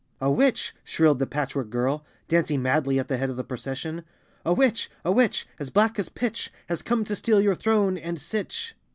"A witch!" shrilled the Patchwork Girl, dancing madly at the head of the procession, A witch, a witch, As black as pitch, Has come to steal your throne And sich!